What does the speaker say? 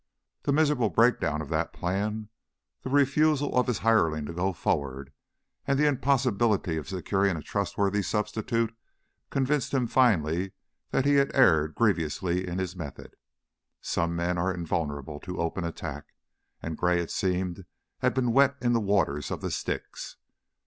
The miserable breakdown of that plan, the refusal of his hireling to go forward, and the impossibility of securing a trustworthy substitute convinced him finally that he had erred grievously in his method. Some men are invulnerable to open attack, and Gray, it seemed, had been wet in the waters of the Styx.